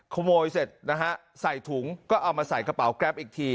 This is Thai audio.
ขโมยเสร็จนะฮะใส่ถุงก็เอามาใส่กระเป๋าแกรปอีกที